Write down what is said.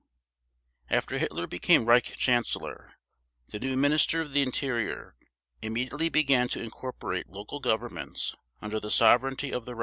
After Hitler became Reich Chancellor, the new Minister of the Interior immediately began to incorporate local governments under the sovereignty of the Reich.